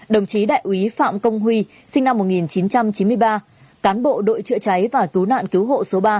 đồng chí đại úy phạm công huy sinh năm một nghìn chín trăm chín mươi ba cán bộ đội chữa cháy và cứu nạn cứu hộ số ba